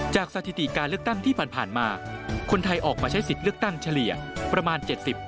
สถิติการเลือกตั้งที่ผ่านมาคนไทยออกมาใช้สิทธิ์เลือกตั้งเฉลี่ยประมาณ๗๐